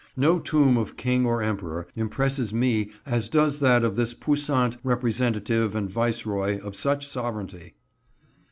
No tomb of King or Emperor impresses me as does that of this puissant representative and viceroy of such sovereignty.